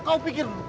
kau pikir dulu